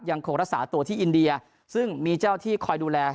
ยังคงรักษาตัวที่อินเดียซึ่งมีเจ้าที่คอยดูแล